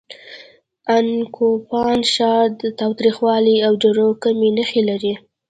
ان کوپان ښار تاوتریخوالي او جګړو کمې نښې لري.